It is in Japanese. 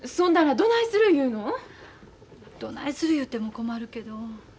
どないする言うても困るけど。